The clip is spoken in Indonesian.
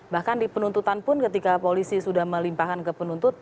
bahkan di penuntutan pun ketika polisi sudah melimpahkan ke penuntut